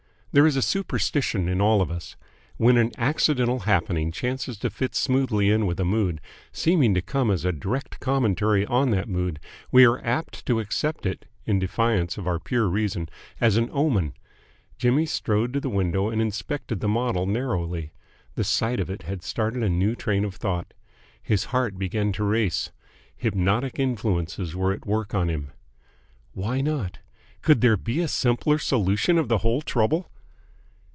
There is a superstition in all of us. When an accidental happening chances to fit smoothly in with a mood, seeming to come as a direct commentary on that mood, we are apt to accept it in defiance of our pure reason as an omen. Jimmy strode to the window and inspected the model narrowly. The sight of it had started a new train of thought. His heart began to race. Hypnotic influences were at work on him. Why not? Could there be a simpler solution of the whole trouble?